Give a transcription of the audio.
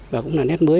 và cũng là nét mới